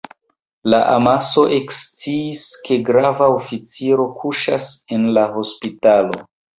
La amaso eksciis, ke grava oficiro kuŝas en la hospitalo.